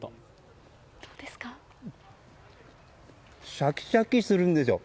シャキシャキするんですよ。